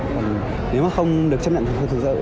còn nếu mà không được chấp nhận thực sự